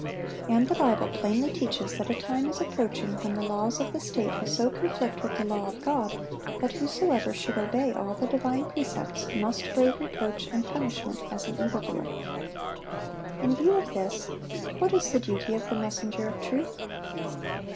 And the Bible plainly teaches that a time is approaching when the laws of the state will so conflict with the law of God that whosoever would obey all the divine precepts must brave reproach and punishment as an evil doer. In view of this, what is the duty of the messenger of truth?